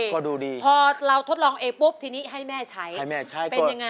เออก็ดูดีพอเราทดลองเอกปุ๊บทีนี้ให้แม่ใช้เป็นอย่างไร